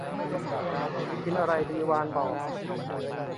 กินอะไรดี วานบอก